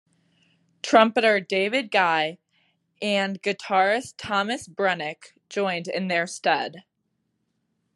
Trumpeter David Guy and guitarist Thomas Brenneck joined in their stead.